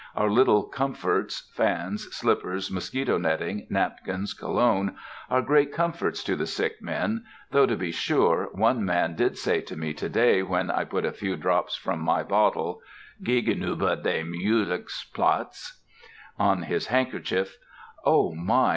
Our little comforts, fans, slippers, mosquito netting, napkins, cologne, are great comforts to the sick men, though to be sure one man did say to me to day, when I put a few drops from my bottle, "Gegenüber dem Julichs Platz," on his handkerchief, "O my!